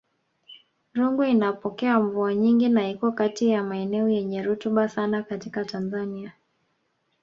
Rungwe inapokea mvua nyingi na iko kati ya maeneo yenye rutuba sana katika Tanzania